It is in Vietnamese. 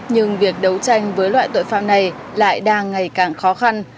nhưng việc đấu tranh với loại tội phạm này lại đang ngày càng khó khăn